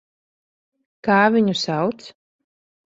Kā viņu sauc?